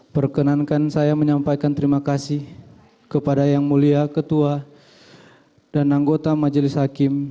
perkenankan saya menyampaikan terima kasih kepada yang mulia ketua dan anggota majelis hakim